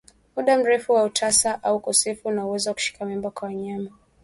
Muda mrefu wa utasa au ukosefu wa uwezo wa kushika mimba kwa wanyama